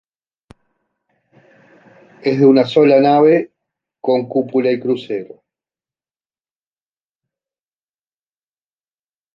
Es de una sola nave, con cúpula y crucero.